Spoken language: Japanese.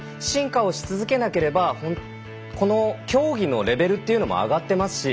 進化をし続けなければこの競技のレベルというのも上がってます